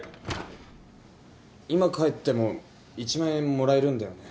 今帰っても１万円もらえるんだよね？